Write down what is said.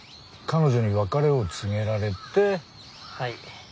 はい。